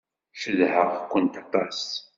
Cedhaɣ-kent aṭas.